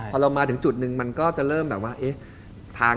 พอเรามาถึงจุดนึงมันก็จะเริ่มแบบว่าเอ๊ะ